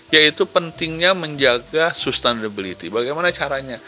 yaitu pentingnya menjaga sustainability bagaimana caranya